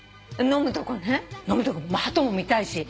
飲むとこもハトも見たいし。